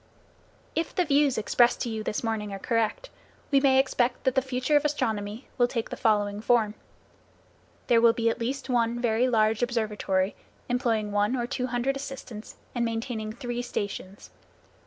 If the views expressed to you this morning are correct, we may expect that the future of astronomy will take the following form: There will be at least one very large observatory employing one or two hundred assistants, and maintaining three stations.